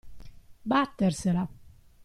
Battersela.